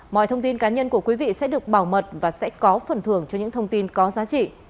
mọi thông tin cá nhân của quý vị sẽ được bảo mật và sẽ có phần thưởng cho những thông tin có giá trị